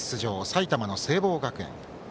埼玉の聖望学園。